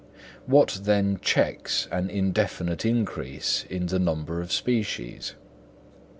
What then checks an indefinite increase in the number of species?